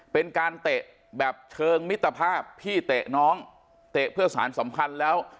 เป็นการเตะแบบเชิงมิตรภาพพี่เตะน้องเตะเพื่อสารสัมพันธ์แล้ว